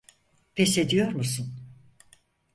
Pes ediyor musun?